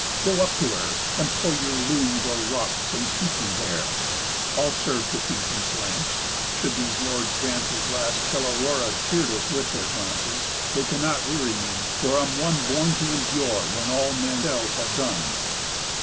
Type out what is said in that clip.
Go up to her, Employ your looms, or rocks, and keep ye there; I'll serve to feed these lamps, should these lords' dances Last till Aurora cheer'd us with their glances. They cannot weary me, for I am one Born to endure when all men else have done."